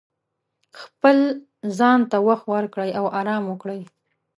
خپل ځان ته وخت ورکړئ او ارام وکړئ.